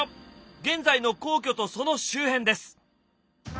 現在の皇居とその周辺です。